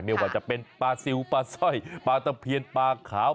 ไม่ว่าจะเป็นปลาซิลปลาสร้อยปลาตะเพียนปลาขาว